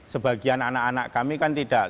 sebagian anak anak kami kan tidak